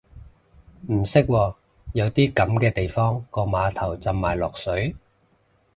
唔識喎，有啲噉嘅地方個碼頭浸埋落水？